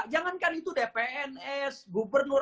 jangankan itu deh pns gubernur